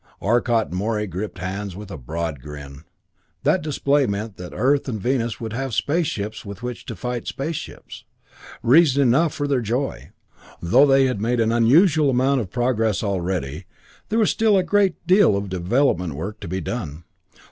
Arcot and Morey gripped hands with a broad grin. That display meant that Earth and Venus would have space ships with which to fight space ships. Reason enough for their joy. Though they had made an unusual amount of progress already, there was still a great deal of development work to be done.